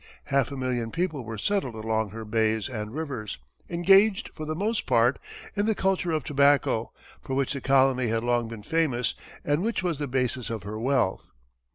Half a million people were settled along her bays and rivers, engaged, for the most part, in the culture of tobacco, for which the colony had long been famous and which was the basis of her wealth.